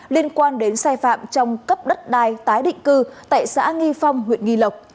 liên quan đến sai phạm trong cấp đất đai tái định cư tại xã nghi phong huyện nghi lộc